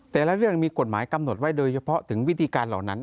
แต่ละเรื่องมีกฎหมายกำหนดไว้โดยเฉพาะถึงวิธีการเหล่านั้น